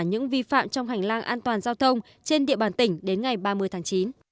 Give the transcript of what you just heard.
những vi phạm trong hành lang an toàn giao thông trên địa bàn tỉnh đến ngày ba mươi tháng chín